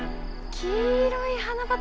黄色い花畑！